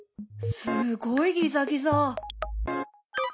すごいギザギザ。